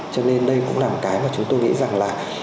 cho nên đây cũng là một cái mà chúng tôi nghĩ rằng là